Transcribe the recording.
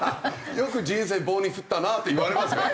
よく「人生棒に振ったな」って言われますよ。